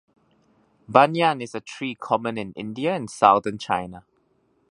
"Banyan" is a tree common in India and southern China.